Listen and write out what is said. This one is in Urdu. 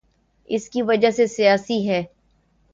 اس کی وجہ سیاسی ہے۔